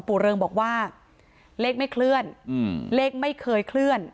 เริงบอกว่าเลขไม่เคลื่อนเลขไม่เคยเคลื่อน